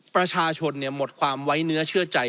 ประชาชนหมดความไว้เนื้อเชื่อใจ